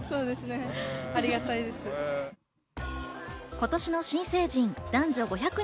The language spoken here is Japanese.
今年の新成人、男女５００人